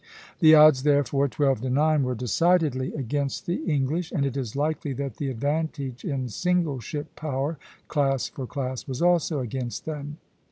The odds, therefore, twelve to nine, were decidedly against the English; and it is likely that the advantage in single ship power, class for class, was also against them.